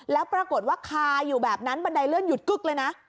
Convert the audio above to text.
แล้วปรากฏว่าคาอยู่แบบนั้นบันไดเลื่อนหยุดกึ๊กเลยนะ